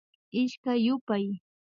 Ishkay yupay